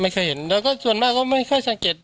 เคยเห็นแล้วก็ส่วนมากก็ไม่ค่อยสังเกต